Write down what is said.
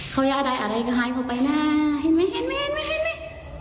เขาย้าดายอะไรก็หายเข้าไปน่ะเห็นมั้ยเห็นมั้ยเห็นมั้ยเห็นมั้ย